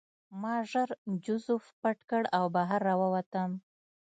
ما ژر جوزف پټ کړ او بهر راووتم